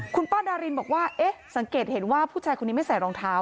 คุณป้าดารินบอกว่าเอ๊ะสังเกตเห็นว่าผู้ชายคนนี้ไม่ใส่รองเท้า